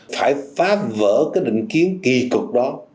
phải phá vỡ cái định kiến kỳ cực đó